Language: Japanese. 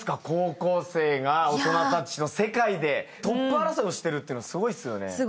高校生が大人たちと世界でトップ争いをしてるっていうのすごいですよね。